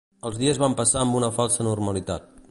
Els dies van passar amb una falsa normalitat.